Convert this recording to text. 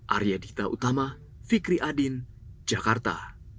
arya dita utama fikri adin jakarta